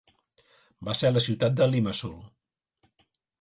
Va ser a la ciutat de Limassol.